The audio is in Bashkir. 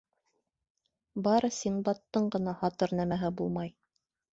Бары Синдбадтың ғына һатыр нәмәһе булмай.